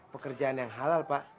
pekerjaan yang halal pak